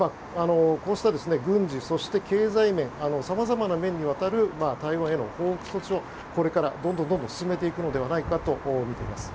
こうした軍事、そして経済面様々な面にわたる台湾への報復措置をこれからどんどん進めていくのではないかとみられます。